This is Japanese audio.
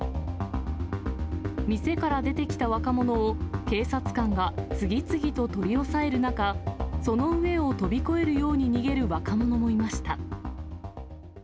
店から出てきた若者を警察官が次々と取り押さえる中、その上を飛び越えるように逃げる若者もいました。